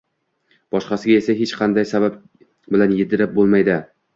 boshqasiga esa hech qanday sabab bilan yedirib bo‘lmaydi.